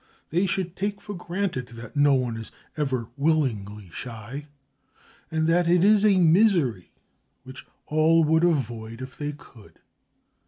They should take for granted that no one is ever willingly shy, and that it is a misery which all would avoid if they could.